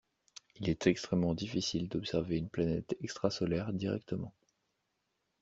Il est extrêmement difficile d'observer une planète extra solaire directement.